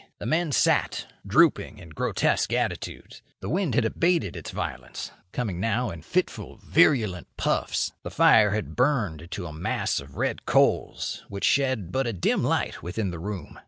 The men sat, drooping, in grotesque attitudes. The wind had abated its violence; coming now in fitful, virulent puffs. The fire had burned to a mass of red coals which shed but a dim light within the room.